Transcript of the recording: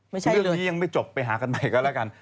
เรื่องนี้ยังไม่จบไปหากันใหม่ก็แล้วกัน